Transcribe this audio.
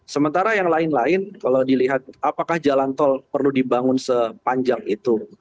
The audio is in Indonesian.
sementara yang lain lain kalau dilihat apakah jalan tol perlu dibangun sepanjang itu